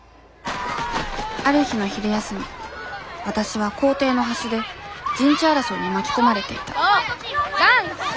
ある日の昼休みわたしは校庭の端で陣地争いに巻き込まれていた男子！